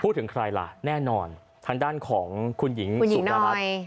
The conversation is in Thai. ถึงใครล่ะแน่นอนทางด้านของคุณหญิงสุดารัฐ